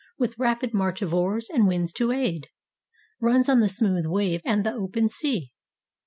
With rapid march of oars, and winds to aid. Runs on the smooth wave and the open sea.